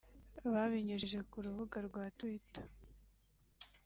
Babinyujije ku rubuga rwa Twitter